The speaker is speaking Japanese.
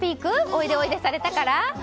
おいでおいでされたから。